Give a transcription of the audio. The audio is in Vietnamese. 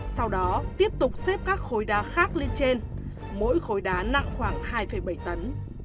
sau đó tiếp tục xếp các khối đá khác lên trên mỗi khối đá nặng khoảng hai bảy tấn